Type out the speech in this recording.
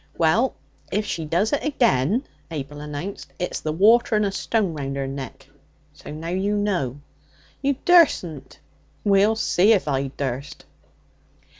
'Well, if she does it again,' Abel announced, 'it's the water and a stone round her neck. So now you know.' 'You durstn't.' 'We'll see if I durst.'